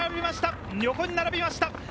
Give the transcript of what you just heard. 横に並びました！